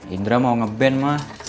indra mau ngeband mah